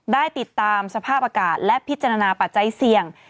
ได้ติดตามสภาพอากาศและพิจารณาปัจจัยเสี่ยง